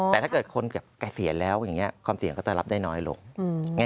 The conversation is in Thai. แต่ถ้าเกิดคนเกษียณแล้วอย่างนี้ความเสี่ยงก็จะรับได้น้อยลง